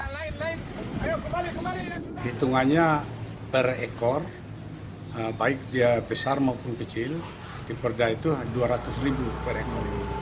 hitungannya per ekor baik dia besar maupun kecil diperga itu dua ratus ribu per ekor